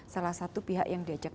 salah satu pihak yang diajak